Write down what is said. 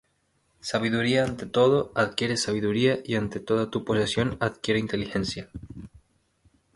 Sabiduría ante todo: adquiere sabiduría: Y ante toda tu posesión adquiere inteligencia.